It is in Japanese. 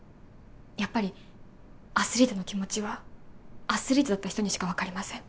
やっぱりアスリートの気持ちはアスリートだった人にしか分かりません